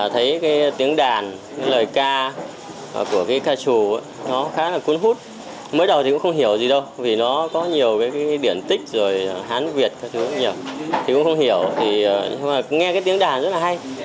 thấy cái tiếng đàn cái lời ca của cái ca chủ nó khá là cuốn hút mới đầu thì cũng không hiểu gì đâu vì nó có nhiều cái điển tích rồi hán việt các thứ như thế này thì cũng không hiểu nhưng mà nghe cái tiếng đàn rất là hay